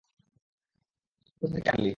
তুই কোথা থেকে আনলি?